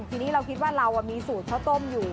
ทีนี้เราคิดว่าเรามีสูตรข้าวต้มอยู่